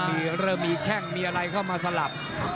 มีเริ่มมีแข้งมีอะไรเข้ามาสลับ